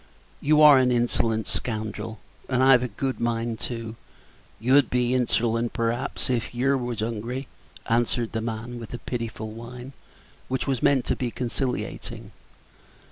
"You are an insolent scoundrel, and I've a good mind to " "You'd be hinserlent, p'raps, if yer was hungry," answered the man, with a pitiful whine, which was meant to be conciliating.